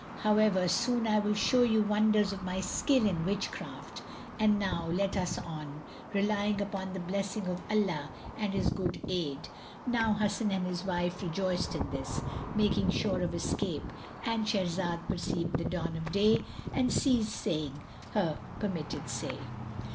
However, soon will I show you wonders of my skill in witchcraft; and now let us on, relying upon the blessing of Allah and His good aid." Now Hasan and his wife rejoiced in this, making sure of escape, —And Shahrazad perceived the dawn of day and ceased saying her permitted say.